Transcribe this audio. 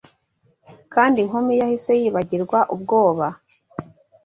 Kandi inkumi yahise yibagirwa ubwoba